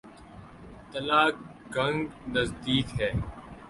تلہ گنگ نزدیک ہے۔